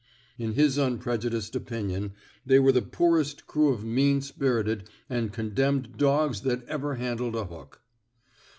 In his unprejudiced opinion, they were the poorest crew of meaA spirited and condemned dogs that ever handled a hook.